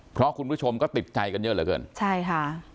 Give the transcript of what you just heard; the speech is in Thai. เพราะคุณผู้ชมก็ติดใจกันเยอะเหลือเกินใช่ค่ะ